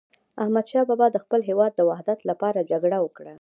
احمد شاه بابا د خپل هیواد د وحدت لپاره جګړه وکړه.